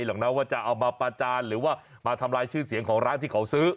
หรอกนะว่าจะเอามาประจานหรือว่ามาทำลายชื่อเสียงของร้านที่เขาซื้อ